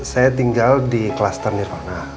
saya tinggal di kluster nirwana